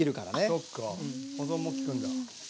そっか保存も利くんだ。